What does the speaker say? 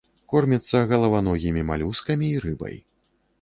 Корміцца галаваногімі малюскамі і рыбай.